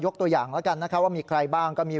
ยกตัวอย่างแล้วกันว่ามีใครบ้างก็มี